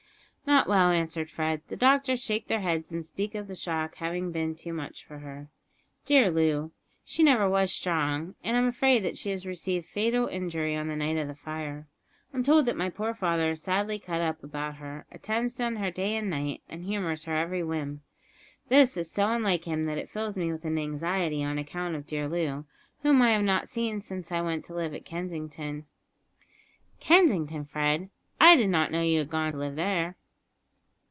"Not well," answered Fred; "the doctors shake their heads and speak of the shock having been too much for her. Dear Loo, she never was strong, and I'm afraid that she has received fatal injury on the night of the fire. I'm told that my poor father is sadly cut up about her attends on her night and day, and humours her every whim. This is so unlike him that it fills me with anxiety on account of dear Loo, whom I have not seen since I went to live at Kensington." "Kensington, Fred? I did not know you had gone to live there."